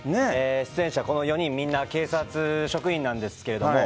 出演者この４人、警察職員なんですけれども。